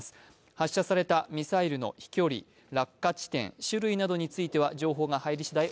発射されたミサイルの飛距離落下地点、種類などについては情報が入りしだい